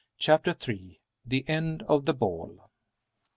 CHAPTER III. THE END OF THE BALL.